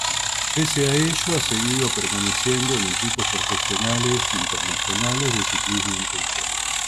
Pese a ello ha seguido permaneciendo en equipos profesionales internacionales de ciclismo en ruta.